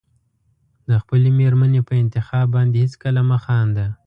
د خپلې مېرمنې په انتخاب باندې هېڅکله مه خانده.